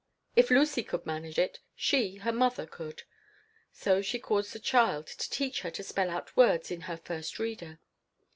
If Lucy could manage it, she, her mother, could. So she caused the child to teach her to spell out words in her First Reader.